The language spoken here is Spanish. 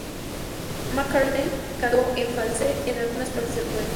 McCartney cantó en falsete en algunas partes del puente.